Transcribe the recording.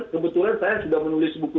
kebetulan saya sudah menulis buku